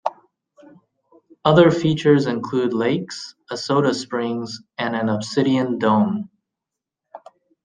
Other features include lakes, a soda springs, and an obsidian dome.